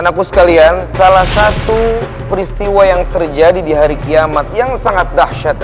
lah aku sekalian salah satu peristiwa yang terjadi dihari kiamat yang sangat dahsyat